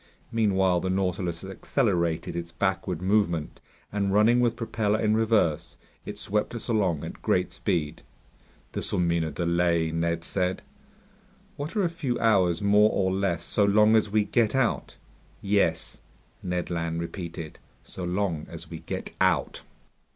Meanwhile the Nautilus accelerated its backward movement, and running with propeller in reverse, it swept us along at great speed. "This'll mean a delay," Ned said. "What are a few hours more or less, so long as we get out." "Yes," Ned Land repeated, "so long as we get out!"